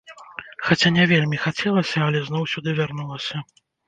Хаця не вельмі хацелася, але зноў сюды вярнулася.